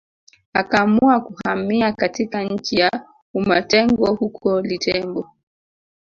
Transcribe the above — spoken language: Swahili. Akaamua kuhamia katika nchi ya umatengo huko Litembo